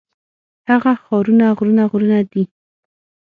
هغه ښارونه غرونه غرونه دي.